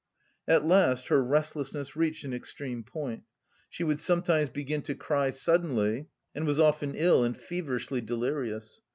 At last her restlessness reached an extreme point. She would sometimes begin to cry suddenly and was often ill and feverishly delirious.